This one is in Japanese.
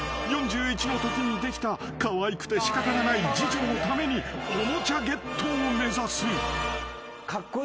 ［４１のときにできたかわいくてしかたがない次女のためにおもちゃゲットを目指す］